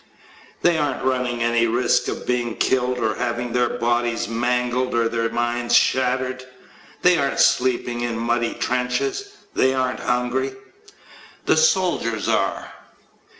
They aren't running any risk of being killed or of having their bodies mangled or their minds shattered. They aren't sleeping in muddy trenches. They aren't hungry. The soldiers are!